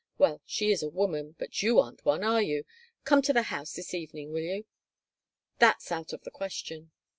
Well, she is a woman, but you aren't one, are you? Come to the house this evening, will you?" "That's out of the question."